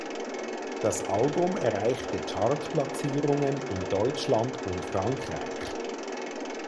Das Album erreichte Chartplatzierungen in Deutschland und Frankreich.